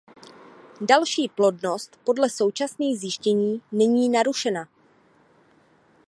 Další plodnost podle současných zjištění není narušena.